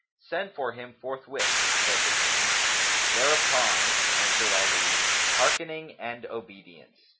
"Send for him forthwith," said the King. Thereupon answered Ali "Hearkening and obedience!"